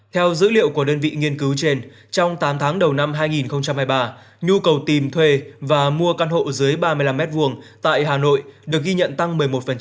theo dữ liệu của đơn vị nghiên cứu trên trong tám tháng đầu năm hai nghìn hai mươi ba nhu cầu tìm thuê và mua căn hộ dưới ba mươi năm m hai tại hà nội được ghi nhận tăng một mươi một